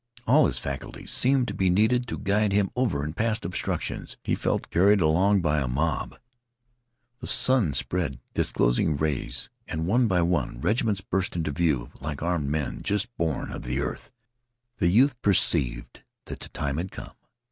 All his faculties seemed to be needed to guide him over and past obstructions. He felt carried along by a mob. The sun spread disclosing rays, and, one by one, regiments burst into view like armed men just born of the earth. The youth perceived that the time had come.